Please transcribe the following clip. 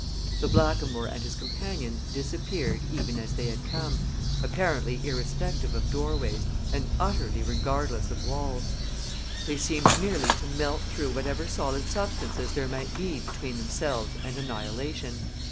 The blackamoor and his companions disappeared even as they had come, apparently irrespective of doorways, and utterly regardless of walls. They seemed merely to melt through whatever solid substances there might be between themselves and annihilation.